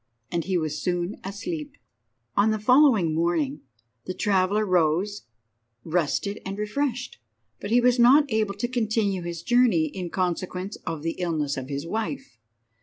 And he was soon asleep. IV. On the following morning the traveller rose rested and refreshed, but he was not able to continue his journey in consequence of the illness of his wife.